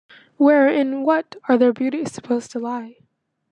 Where and in what are their beauties supposed to lie?